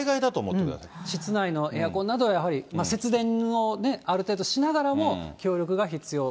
室内のエアコンなど、やはり節電をね、ある程度しながらも、協力が必要。